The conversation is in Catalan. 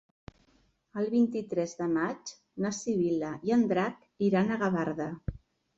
El vint-i-tres de maig na Sibil·la i en Drac iran a Gavarda.